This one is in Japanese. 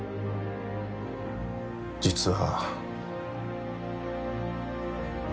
実は。